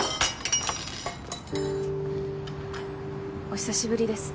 お久しぶりです。